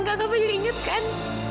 iya kak kak vanya ingat kan